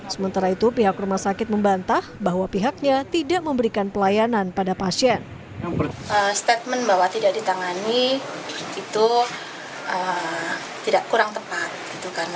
sementara itu pihak rumah sakit membantah bahwa pihaknya tidak memberikan pelayanan pada pasien